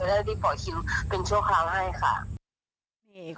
จะได้รีบปล่อยคิวเป็นช่วงครั้งให้ค่ะ